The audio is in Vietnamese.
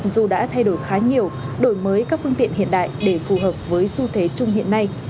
dù đã thay đổi khá nhiều đổi mới các phương tiện hiện đại để phù hợp với xu thế chung hiện nay